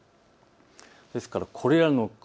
ですから、これらの雲